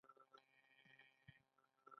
د نجونو تعلیم د ناروغیو پوهاوي زیاتولو لاره ده.